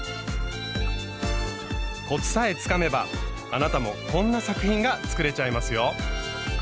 コツさえつかめばあなたもこんな作品が作れちゃいますよ。